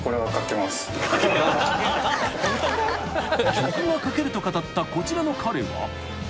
［曲が書けると語ったこちらの彼は］